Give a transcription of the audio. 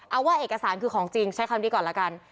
เอาว่าเอกสารคือของจริงใช้คำนี้ก่อนละกัน